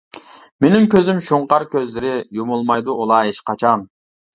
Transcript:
مېنىڭ كۆزۈم شۇڭقار كۆزلىرى، يۇمۇلمايدۇ ئۇلار ھېچقاچان.